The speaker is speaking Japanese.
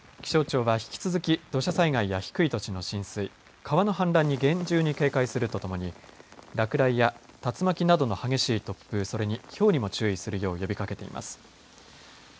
気象庁は引き続き土砂災害や低い土地の浸水川の氾濫に厳重に警戒するとともに落雷や竜巻などの激しい突風それにひょうにも注意するよう呼びかけています。